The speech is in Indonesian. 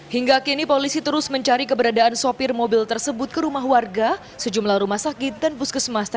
hingga kini polisi terus mencari keberadaan sopir mobil tersebut ke rumah warga sejumlah rumah sakit dan puskesmas